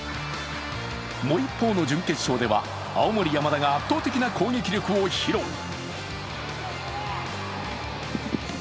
もう一方の準決勝では、青森山田が圧倒的な攻撃力を披露。